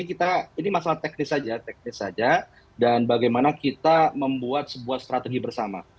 kita ini masalah teknis saja teknis saja dan bagaimana kita membuat sebuah strategi bersama